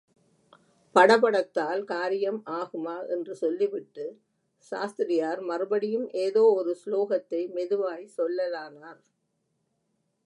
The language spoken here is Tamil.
படபடத்தால் காரியம் ஆகுமா? என்று சொல்லிவிட்டு, சாஸ்திரியார் மறுபடியும் ஏதோ ஒரு சுலோகத்தை மெதுவாய்ச் சொல்லலானார்.